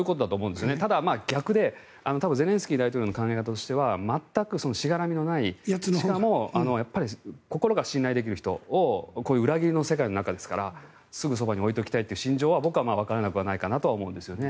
でも、多分逆でゼレンスキー大統領の考え方としては全くしがらみのないしかも心から信頼できる人をこういう裏切りの世界の中ですからそばに置いておきたいという心情は僕はわからなくはないかなと思うんですよね。